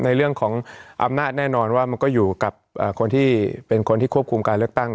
ในเรื่องของอำนาจแน่นอนว่ามันก็อยู่กับคนที่เป็นคนที่ควบคุมการเลือกตั้ง